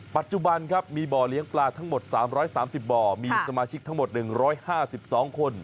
ปัจจุบันครับมีบ่อเลี้ยงปลาทั้งหมด๓๓๐บ่อมีสมาชิกทั้งหมด๑๕๒คน